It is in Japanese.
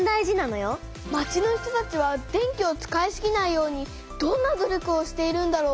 町の人たちは電気を使いすぎないようにどんな努力をしているんだろう？